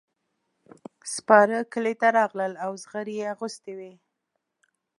سپاره کلي ته راغلل او زغرې یې اغوستې وې.